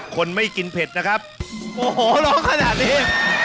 คนไม่กินเผ็ดนะครับโอ้โหร้องขนาดนี้